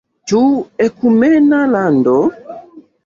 Ĉu ekumena lando?